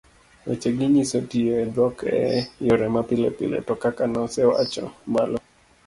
wechegi nyiso tiyo e dhok e yore mapilepile to kaka nasewacho malo,